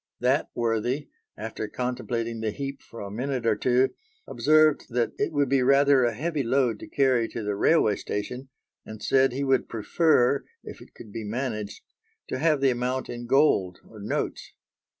That worthy, after contemplating the heap for a minute or two, observed that it would be rather a heavy load to carry to the railway station, and said he would prefer, if it could be managed, to have the amount in gold or notes.